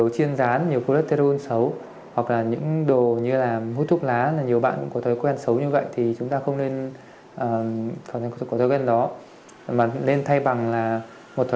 tiềm tàng thì cũng là điều rất là tốt